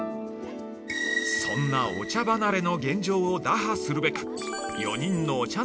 そんな、お茶離れの現状を打破するべく４人のお茶